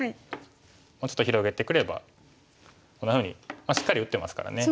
もうちょっと広げてくればこんなふうにしっかり打ってますからね。